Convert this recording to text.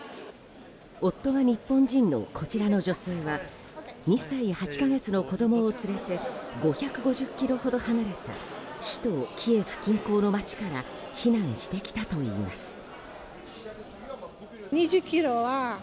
夫が日本人のこちらの女性は２歳８か月の子供を連れて５５０ｋｍほど離れた首都キエフ近郊の街から避難してきたといいます。